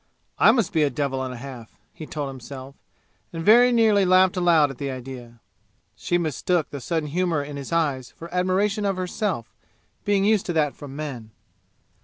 "I must be a devil and a half," he told himself, and very nearly laughed aloud at the idea. She mistook the sudden humor in his eyes for admiration of herself, being used to that from men.